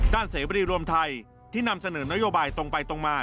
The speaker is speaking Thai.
เสบรีรวมไทยที่นำเสนอนโยบายตรงไปตรงมา